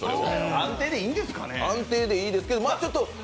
安定でいいんですかね？